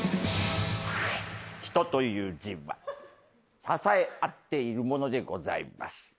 「人という字は支え合っているものでございます」